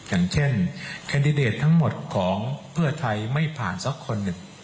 อย่างเช่นแคนดิเดตทั้งหมดของเพื่อไทยไม่ผ่านสักคนหนึ่ง